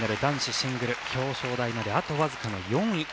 シングル表彰台まであとわずかの４位。